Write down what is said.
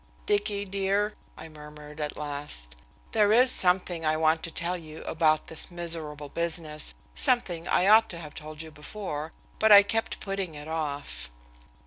"Dicky, dear," I murmured at last, "there is something I want to tell you about this miserable business, something I ought to have told you before, but I kept putting it off."